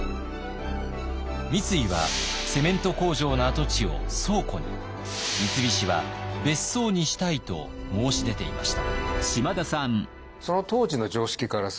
三井はセメント工場の跡地を倉庫に三菱は別荘にしたいと申し出ていました。